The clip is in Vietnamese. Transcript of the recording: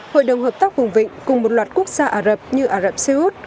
hội đồng hợp tác vùng vịnh cùng một loạt quốc gia ả rập như ả rập xê út